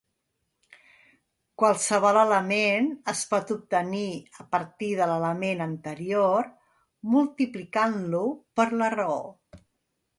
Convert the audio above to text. Qualsevol element es pot obtenir a partir de l'element anterior multiplicant-lo per la raó.